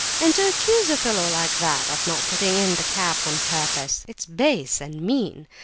And to accuse a fellow like that of not putting in the cap on purpose; it's base and mean!